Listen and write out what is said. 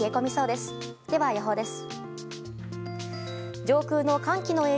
では、予報です。